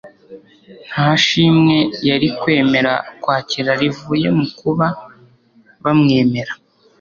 Nta shimwe yari kwemera kwakira rivuye mu kuba bamwemera